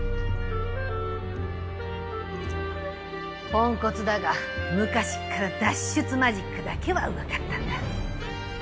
ポンコツだが昔から脱出マジックだけはうまかったんだ。